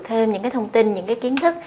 thêm những cái thông tin những cái kiến thức